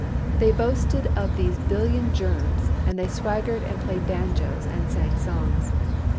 They boasted of these billion germs and they swaggered and played banjos and sang songs.